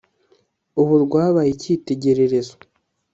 Ubu rwabaye icyitegererezo